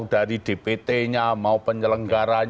begitu ini dan ada hal hal yang terjadi